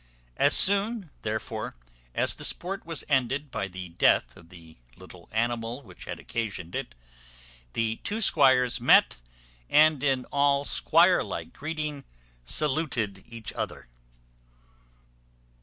As soon, therefore, as the sport was ended by the death of the little animal which had occasioned it, the two squires met, and in all squire like greeting saluted each other.